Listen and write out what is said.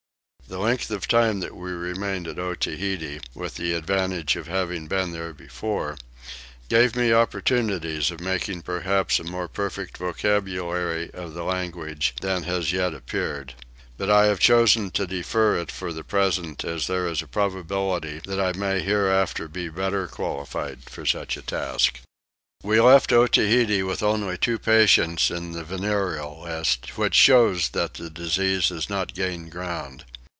The length of time that we remained at Otaheite, with the advantage of having been there before, gave me opportunities of making perhaps a more perfect vocabulary of the language than has yet appeared; but I have chosen to defer it for the present as there is a probability that I may hereafter be better qualified for such a task. We left Otaheite with only two patients in the venereal list, which shows that the disease has not gained ground.